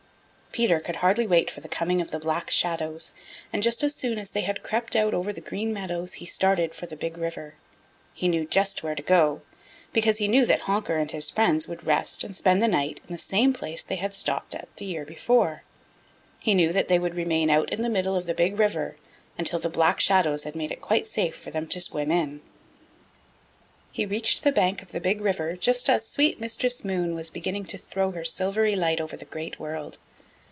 Peter could hardly wait for the coming of the Black Shadows, and just as soon as they had crept out over the Green Meadows he started for the Big River. He knew just where to go, because he knew that Honker and his friends would rest and spend the night in the same place they had stopped at the year before. He knew that they would remain out in the middle of the Big River until the Black Shadows had made it quite safe for them to swim in. He reached the bank of the Big River just as sweet Mistress Moon was beginning to throw her silvery light over the Great World.